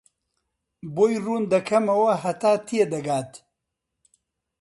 بۆی ڕوون دەکەمەوە هەتا تێدەگات.